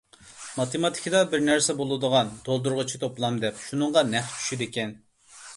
ماتېماتىكىدا بىر نەرسە بولىدىغان تولدۇرغۇچى توپلام دەپ، شۇنىڭغا نەق چۈشىدىكەن.